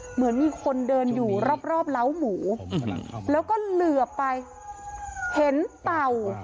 เหมือนมีคนเดินอยู่รอบรอบเล้าหมูแล้วก็เหลือไปเห็นเต่า